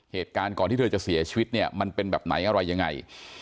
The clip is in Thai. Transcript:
เหตุการณ์ก่อนที่เธอจะเสียชีวิตเนี่ยมันเป็นแบบไหนอะไรยังไง